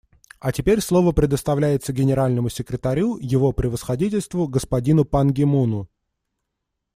А теперь слово предоставляется Генеральному секретарю Его Превосходительству господину Пан Ги Муну.